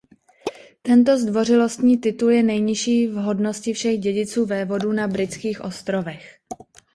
Tento zdvořilostní titul je nejnižší v hodnosti všech dědiců vévodů na Britských ostrovech.